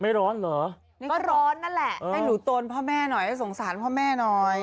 ร้อนเหรอนี่ก็ร้อนนั่นแหละให้หนูตนพ่อแม่หน่อยให้สงสารพ่อแม่หน่อย